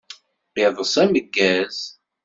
Iḍeṣ ameggaz!